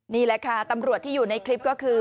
นี่แหละค่ะตำรวจที่อยู่ในคลิปก็คือ